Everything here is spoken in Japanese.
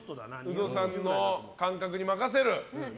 ウドさんの感覚に任せる。